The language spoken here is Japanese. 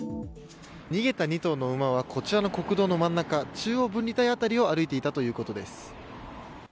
逃げた２頭の馬はこちらの国道の真ん中中央分離帯の辺りを歩いていたということです。